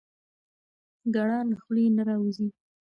ګړه له خولې نه راوځي.